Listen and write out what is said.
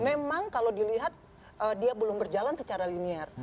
memang kalau dilihat dia belum berjalan secara linear